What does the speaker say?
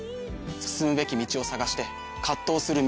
進むべき道を探して藤する宮沢賢治。